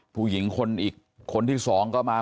ผู้หญิงคนอีกคนที่สองก็มา